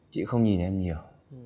chị không nhìn em nhiều